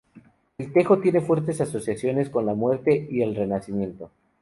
El tejo tiene fuertes asociaciones con la muerte y el renacimiento.